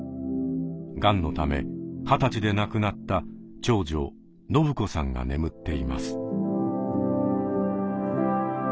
がんのため二十歳で亡くなった長女伸子さんが眠っています。